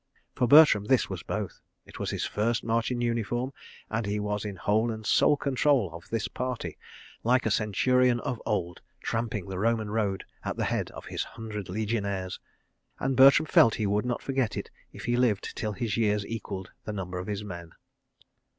For Bertram this was both. It was his first march in uniform, and he was in whole and sole control of this party—like a Centurion of old tramping the Roman Road at the head of his hundred Legionaries—and Bertram felt he would not forget it if he lived till his years equalled the number of his men.